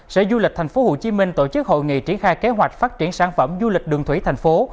sở du lịch tp hcm tổ chức hội nghị triển khai kế hoạch phát triển sản phẩm du lịch đường thủy thành phố